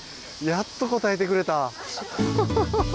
やっと応えてくれた。